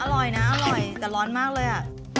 อร่อยนะอร่อยแต่ร้อนมากเลยอ่ะ